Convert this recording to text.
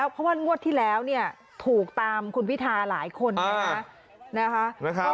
เพราะว่างวดที่แล้วถูกตามคุณพิทาหลายคนนะคะ